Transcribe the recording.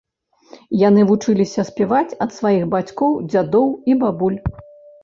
Яны вучыліся спяваць ад сваіх бацькоў, дзядоў і бабуль.